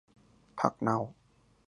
ผักเน่า